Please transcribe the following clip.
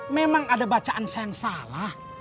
memang ada bacaan saya yang salah